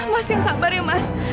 mas yang sabar ya mas